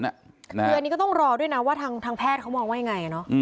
คืออันนี้ก็ต้องรอด้วยนะว่าทางแพทย์เขามองว่ายังไง